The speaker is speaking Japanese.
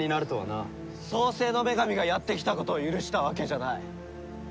創世の女神がやってきたことを許したわけじゃない。